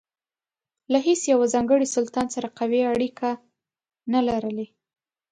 له هیڅ یوه ځانګړي سلطان سره قوي اړیکې نه لرلې.